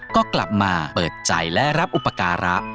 ก็กลับมาเปิดใจและรับอุปการะ